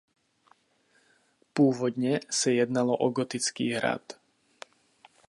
Původně se jednalo o gotický hrad.